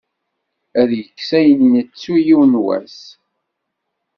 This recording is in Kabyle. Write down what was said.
Ad yekkes ayen nettu yiwen n wass.